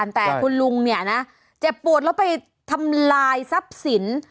แต่คุณลุงเนี่ยนะเจ็บปวดแล้วไปทำลายทรัพย์สิน